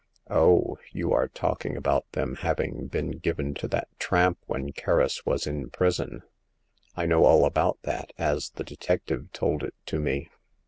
Oh ! you are talking about them having been given to that tramp when Kerris was in prison. I know all about that, as the detective told it to me.